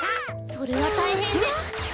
それはたいへんでし。